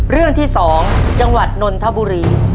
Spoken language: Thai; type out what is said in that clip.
เรื่องที่๒จังหวัดนนทบุรี